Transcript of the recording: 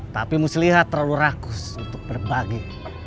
tapi muslihat terlalu rakus untuk berbagi